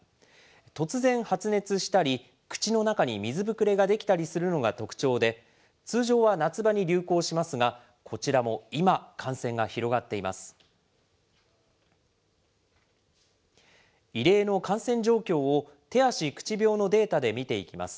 突然発熱したり、口の中に水ぶくれができたりするのが特徴で、通常は夏場に流行しますが、こちらも今、感染が広がっています。